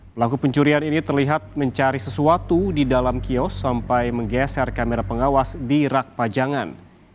pelaku pencurian ini terlihat mencari sesuatu di dalam kios sampai menggeser kamera pengawas di rak pajangan